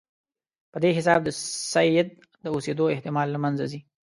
په دې حساب د سید د اوسېدلو احتمال له منځه ځي.